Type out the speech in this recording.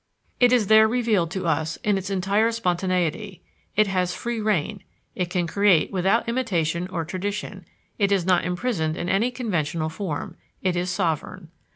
It is there revealed to us in its entire spontaneity: it has free rein; it can create without imitation or tradition; it is not imprisoned in any conventional form; it is sovereign.